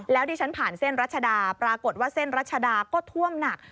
แล้วที่ฉันผ่านเส้นรัชดาปรากฏว่าเส้นรัชดาก็ท่วมหนัก